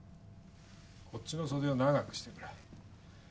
こっちの袖を長くしてくれ。